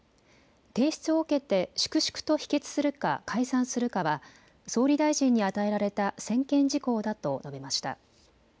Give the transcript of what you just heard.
提出を受けて粛々と否決するか解散するかは総理大臣に与えられた専権事項だと述べました。